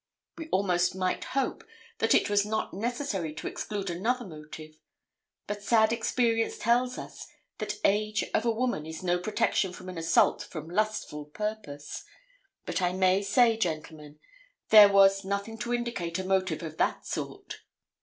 We almost might hope that it was not necessary to exclude another motive, but sad experience tells us that age of a woman is no protection from an assault from lustful purpose, but I may say, gentlemen, there was nothing to indicate a motive of that sort.